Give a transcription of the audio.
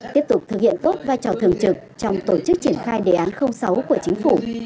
tiếp tục thực hiện tốt vai trò thường trực trong tổ chức triển khai đề án sáu của chính phủ